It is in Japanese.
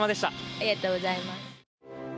ありがとうございます。